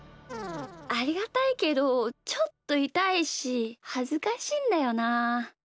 ありがたいけどちょっといたいしはずかしいんだよな。